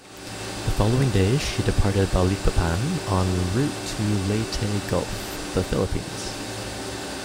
The following day, she departed Balikpapan en route to Leyte Gulf, the Philippines.